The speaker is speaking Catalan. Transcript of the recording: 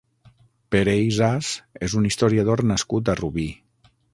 Pere Ysàs és un historiador nascut a Rubí.